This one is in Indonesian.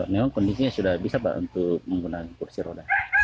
memang kondisinya sudah bisa pak untuk menggunakan kursi roda